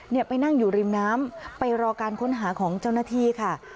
เนี่ยไปนั่งอยู่ริมน้ำไปรอการค้นหาของเจ้าหน้าที่ค่ะ